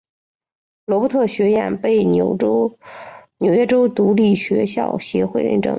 罗伯特学院被纽约州独立学校协会认证。